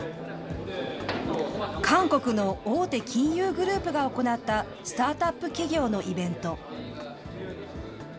韓国の大手金融グループが行ったスタートアップ企業のイベント。